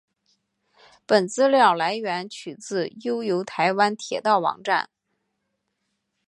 本资料来源取自悠游台湾铁道网站。